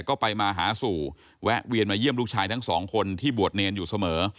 ก็ไปมาหาสู่แวะเวียนมาเยี่ยมลูกชายทั้งสองคนที่บวชเนรอยู่เสมอ